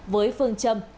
với phương châm